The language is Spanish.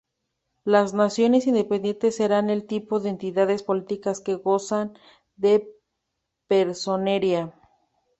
Las naciones independientes serían el tipo de entidades políticas que gozan de personería.